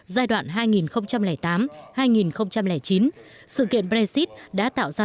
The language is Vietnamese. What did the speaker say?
giai đoạn hai nghìn tám hai nghìn chín sự kiện brexit đã tạo ra thách thức đối với các nước quốc tế